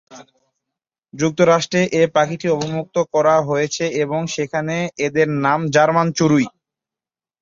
যুক্তরাষ্ট্রে এ পাখিটি অবমুক্ত করা হয়েছে এবং সেখানে এদের নাম জার্মান চড়ুই।